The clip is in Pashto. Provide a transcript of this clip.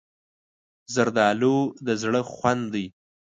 زردالو د زړه خوند دی.